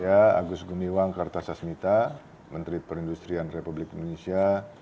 agus gumiwang kartasasmita menteri perindustrian republik indonesia